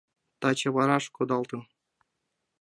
Таче вараш кодалтын.